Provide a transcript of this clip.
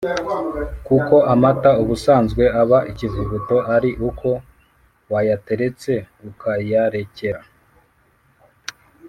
Kuko amata ubusanzwe aba ikivuguto ari uko wayateretse ukayarekera